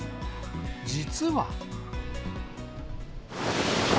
実は。